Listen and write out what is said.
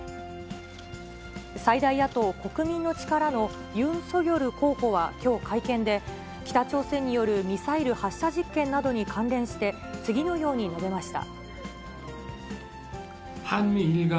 最大野党・国民の力のユン・ソギョル候補はきょう会見で、北朝鮮によるミサイル発射実験などに関連して、次のように述べました。